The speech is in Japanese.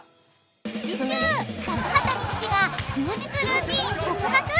［次週高畑充希が休日ルーティン告白］